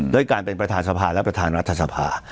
ด้วยการเป็นประธานสภาและประธานรัฐสภา